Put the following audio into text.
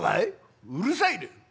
「うるさいね！